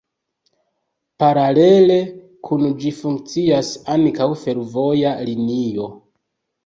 Paralele kun ĝi funkcias ankaŭ fervoja linio.